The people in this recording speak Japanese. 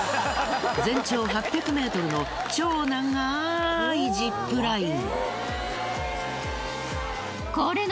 全長８００ｍの超ながいジップライン。